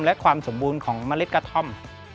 และความสมบูรณ์ของเมล็ดกระท่อม